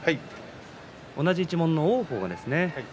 同じ一門の王鵬ですね。